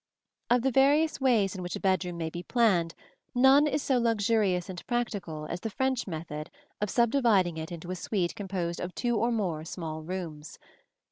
Of the various ways in which a bedroom may be planned, none is so luxurious and practical as the French method of subdividing it into a suite composed of two or more small rooms.